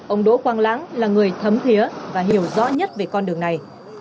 ông đỗ quang lãng là người thấm thía và hiểu rõ nhất về con đường này